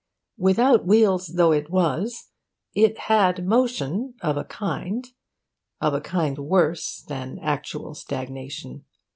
Without wheels though it was, it had motion of a kind; of a kind worse than actual stagnation.